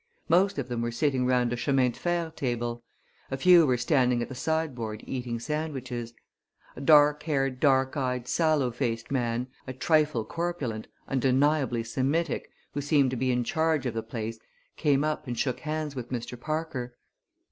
Most of them were sitting round a chemin de fer table; a few were standing at the sideboard eating sandwiches. A dark haired, dark eyed, sallow faced man, a trifle corpulent, undeniably Semitic, who seemed to be in charge of the place, came up and shook hands with Mr. Parker.